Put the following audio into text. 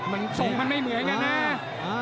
มันทรงมันไม่เหมือนกันนะ